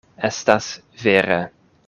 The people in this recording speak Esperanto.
Estas vere.